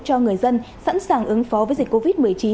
cho người dân sẵn sàng ứng phó với dịch covid một mươi chín